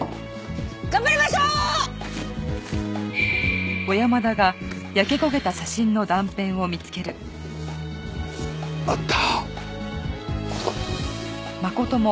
頑張りましょう！あった。